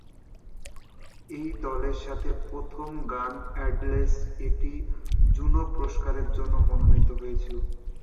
এই দলের সাথে তার প্রথম গান "এন্ডলেস" একটি জুনো পুরস্কারের জন্য মনোনীত হয়েছিল।